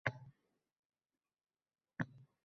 Undan odam